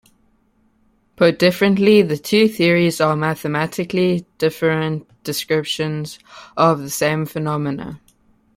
Put differently, the two theories are mathematically different descriptions of the same phenomena.